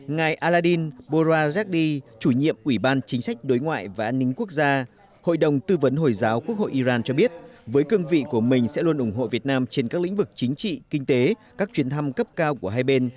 ngài aladin borazi chủ nhiệm ủy ban chính sách đối ngoại và an ninh quốc gia hội đồng tư vấn hồi giáo quốc hội iran cho biết với cương vị của mình sẽ luôn ủng hộ việt nam trên các lĩnh vực chính trị kinh tế các chuyến thăm cấp cao của hai bên